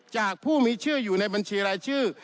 จากผู้มีชื่ออยู่ในบัญชีรายชื่อ